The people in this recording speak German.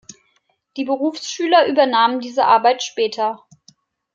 Die Berufsschüler übernahmen diese Arbeit später.